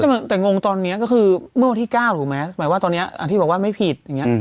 ไม่แต่แต่งงตอนเนี้ยก็คือเมื่อวันที่เก้าถูกไหมหมายความว่าตอนเนี้ยอันที่บอกว่าไม่ผิดอย่างเงี้ย